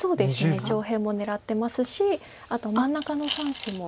上辺も狙ってますしあと真ん中の３子も。